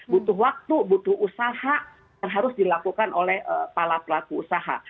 butuh waktu butuh usaha yang harus dilakukan oleh para pelaku usaha